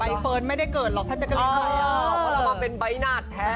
เฟิร์นไม่ได้เกิดหรอกถ้าแจกรีนเคยเอาเพราะเรามาเป็นใบหนาดแท้